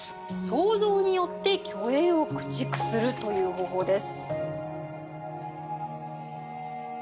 「創造によって虚栄を駆逐する」という方法です。